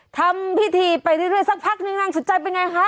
ทำพิธีไปเรื่อยสักพักนึงนางสุดใจเป็นไงคะ